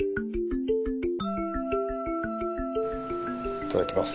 いただきます。